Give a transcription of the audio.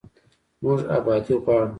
موږ ابادي غواړو